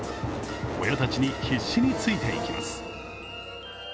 親たちに必死についていきます。